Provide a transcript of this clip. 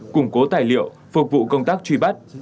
củng cố tài liệu phục vụ công tác truy bắt